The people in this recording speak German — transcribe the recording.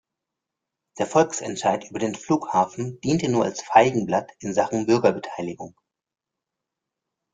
Der Volksentscheid über den Flughafen diente nur als Feigenblatt in Sachen Bürgerbeteiligung.